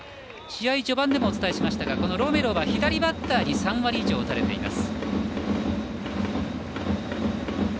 試合序盤でもお伝えしましたがロメロは左バッターに３割以上打たれています。